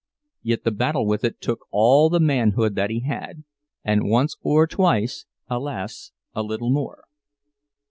Yet the battle with it took all the manhood that he had—and once or twice, alas, a little more.